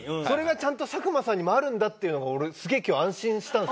それがちゃんと佐久間さんにもあるんだっていうのが俺すげえ。